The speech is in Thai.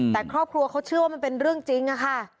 แต่ครอบครัวเขาเชื่อว่ามันเป็นเรื่องจริงอะค่ะ